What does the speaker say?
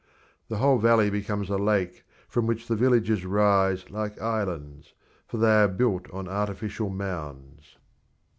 The whole valley becomes a lake from which the villages rise like islands, for they are built on artificial mounds.